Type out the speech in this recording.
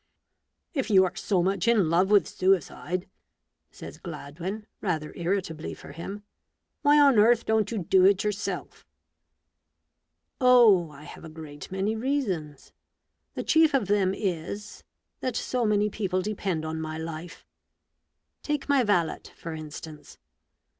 " If you are so much in love with suicide," says Gladwin, rather irritably for him, " why on earth don't you do it yourself?" " Oh ! I have a great many reasons. The chief of them is, that so many people depend on my life. Take my valet, for instance.